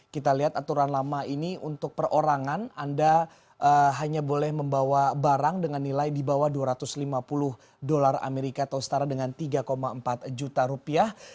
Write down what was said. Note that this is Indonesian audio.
kita lihat aturan lama ini untuk perorangan anda hanya boleh membawa barang dengan nilai di bawah dua ratus lima puluh dolar amerika atau setara dengan tiga empat juta rupiah